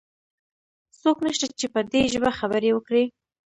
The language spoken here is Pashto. څوک نشته چې په دي ژبه خبرې وکړي؟